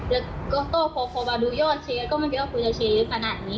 แล้วก็โต้โพโพมาดูยอดแชร์ก็ไม่เป็นว่าคุณจะแชร์เยอะขนาดนี้